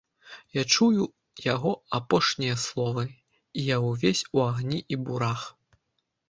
Я чую яго апошнія словы, і я ўвесь у агні і бурах.